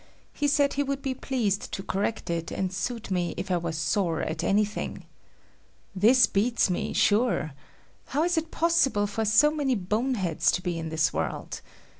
He said he would be pleased to correct it and suit me if I was sore at anything. This beats me, sure. How is it possible for so many boneheads to be in this world!